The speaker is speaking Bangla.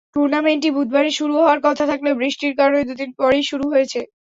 টুর্নামেন্টটি বুধবারে শুরু হওয়ার কথা থাকলেও বৃষ্টির কারণে দুদিন পরেই শুরু হয়েছে।